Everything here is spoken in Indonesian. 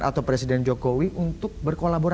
atau presiden jokowi untuk berkolaborasi